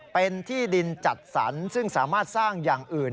เป็นที่ดินจัดสรรซึ่งสามารถสร้างอย่างอื่น